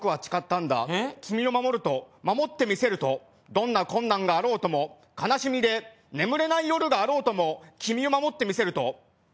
「君を守ると守ってみせるとどんな困難があろうとも悲しみで眠れない夜があろうとも君を守ってみせると。